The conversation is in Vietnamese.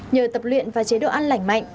nhờ tập luyện và chế độ ăn lạnh